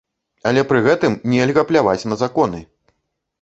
Але пры гэтым нельга пляваць на законы!